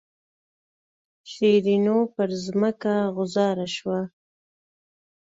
شیرینو پر ځمکه غوځاره شوه.